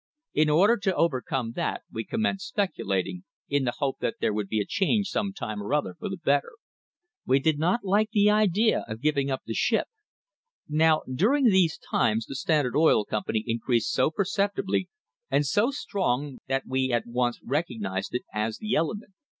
In order to overcome that we commenced speculating, in the hope that there would be a change some time or other for the better. We did not like the idea of giving up the ship. Now, during these times the Standard Oil Company increased so perceptibly and so strong that we at once recognised it as the element.